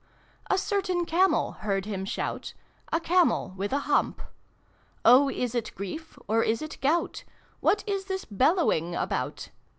A certain Camel heard him shout A Camel with a hump. " Oh, is it Grief, or is it Gout ? What is this bellowing about